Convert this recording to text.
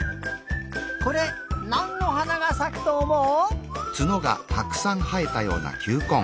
これなんのはながさくとおもう？